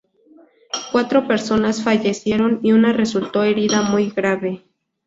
Cuatro personas fallecieron y una resultó herida muy grave.